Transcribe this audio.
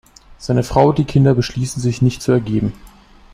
Seine Frau und die Kinder beschließen, sich nicht zu ergeben.